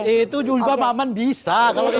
itu juga maman bisa